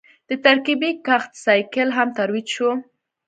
د ترکیبي کښت سایکل هم ترویج شو.